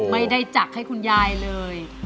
ไม่ได้จักรให้คุณยายเลย